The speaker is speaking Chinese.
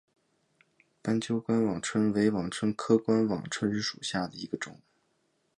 斑脊冠网蝽为网蝽科冠网蝽属下的一个种。